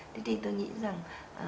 thế thì tôi nghĩ rằng